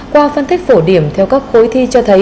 qua phân tích phổ điểm theo các khối thi